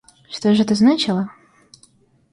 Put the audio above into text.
Что ж это значило?